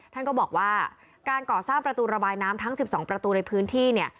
ท่านก็บอกว่าการก่อสร้างประตูระบายน้ำทั้ง๑๒ประตูในพื้นที่เนี่ย